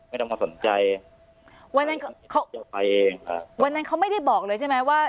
ไม่ต้องมาสนใจวันนั้นเขาจะไปเองอ่าวันนั้นเขาไม่ได้บอกเลยใช่ไหมว่า